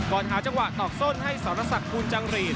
ก่อนเอาจังหวะตอกส้นให้ศรศักดิ์คุณจังหรีด